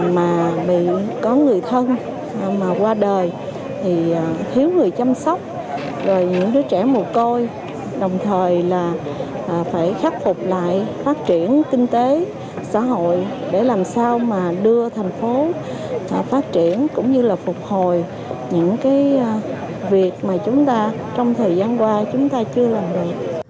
mà bị có người thân mà qua đời thì thiếu người chăm sóc rồi những đứa trẻ mù côi đồng thời là phải khắc phục lại phát triển kinh tế xã hội để làm sao mà đưa thành phố phát triển cũng như là phục hồi những cái việc mà chúng ta trong thời gian qua chúng ta chưa làm được